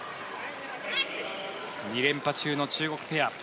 ２連覇中の中国ペア。